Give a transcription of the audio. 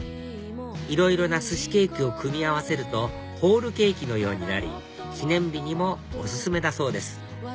いろいろな寿司ケーキを組み合わせるとホールケーキのようになり記念日にもお薦めだそうです